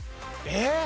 えっ？